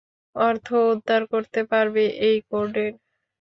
অর্থ উদ্ধার করতে পারবে এই কোডের?